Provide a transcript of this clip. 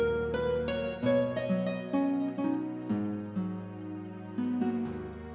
apa kamu berpikir kehendaknya juga apa